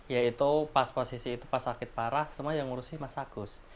ya itu pas posisi itu pas sakit parah semua yang ngurusin mas agus